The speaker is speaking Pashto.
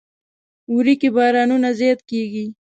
وری کې بارانونه زیات کیږي.